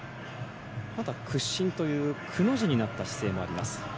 あとは屈身というくの字になる姿勢もあります。